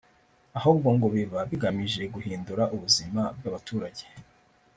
ahubwo ngo biba bigamije guhindura ubuzima bw’ abaturage